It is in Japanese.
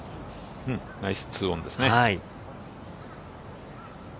ナイス２オンですね。